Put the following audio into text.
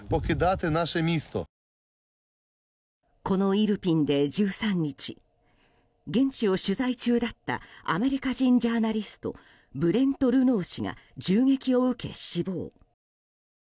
このイルピンで１３日現地を取材中だったアメリカ人ジャーナリストブレント・ルノー氏が銃撃を受け死亡。